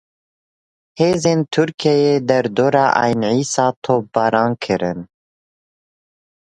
Hêzên Tirkiyeyê derdora Êyn Îsayê topbaran kirin.